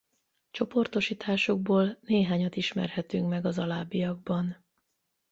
Csoportosításukból néhányat ismerhetünk meg az alábbiakban.